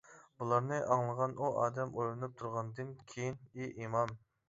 بۇلارنى ئاڭلىغان ئۇ ئادەم ئويلىنىپ تۇرغاندىن كېيىن: ئى ئىمام!